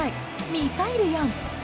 ミサイルやん！